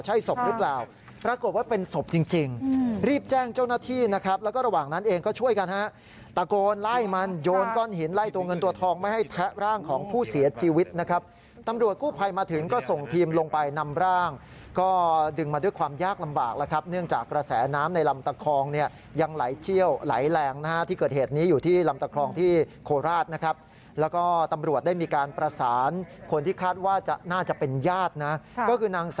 จริงรีบแจ้งเจ้าหน้าที่นะครับแล้วก็ระหว่างนั้นเองก็ช่วยกันนะฮะตะโกนไล่มันโยนก้อนหินไล่ตัวเงินตัวทองไม่ให้แทะร่างของผู้เสียชีวิตนะครับตำรวจกู้ภัยมาถึงก็ส่งทีมลงไปนำร่างก็ดึงมาด้วยความยากลำบากนะครับเนื่องจากระแสน้ำในลำตะครองเนี่ยยังไหลเชี่ยวไหลแรงนะฮะที่เกิดเหตุ